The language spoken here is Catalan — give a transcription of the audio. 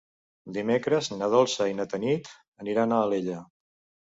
Dimecres na Dolça i na Tanit aniran a Alella.